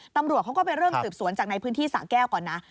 ตำรวจเขาก็ไปเริ่มสืบสวนจากในพื้นที่สะแก้วก่อนนะ